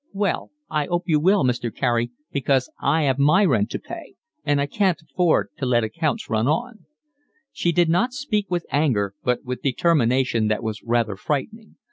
"Well, I 'ope you will, Mr. Carey, because I 'ave my rent to pay, and I can't afford to let accounts run on." She did not speak with anger, but with determination that was rather frightening.